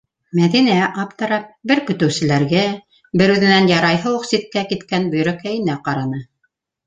- Мәҙинә, аптырап, бер көтөүселәргә, бер үҙенән ярайһы уҡ ситкә киткән Бөйрәкәйенә ҡараны.